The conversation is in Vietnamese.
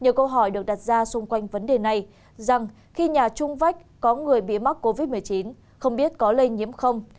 nhiều câu hỏi được đặt ra xung quanh vấn đề này rằng khi nhà trung vách có người bị mắc covid một mươi chín không biết có lây nhiễm không